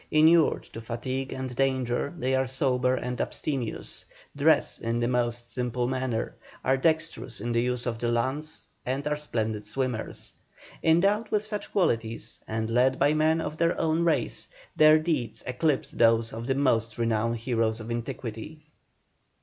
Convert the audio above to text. Inured to fatigue and danger, they are sober and abstemious, dress in the most simple manner, are dexterous in the use of the lance, and are splendid swimmers. Endowed with such qualities, and led by men of their own race, their deeds eclipse those of the most renowned heroes of antiquity.